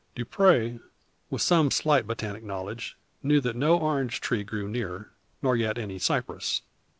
Dupre, with some slight botanic knowledge, knew that no orange tree grew near, nor yet any cypress.